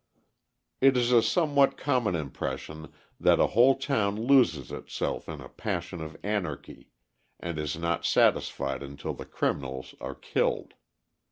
It is a somewhat common impression that a whole town loses itself in a passion of anarchy, and is not satisfied until the criminals are killed.